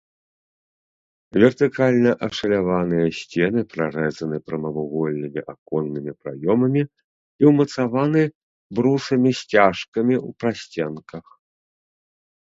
Вертыкальна ашаляваныя сцены прарэзаны прамавугольнымі аконнымі праёмамі і ўмацаваны брусамі-сцяжкамі ў прасценках.